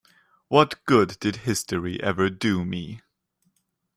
What good did history ever do me?